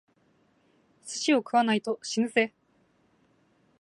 寿司を食わないと死ぬぜ！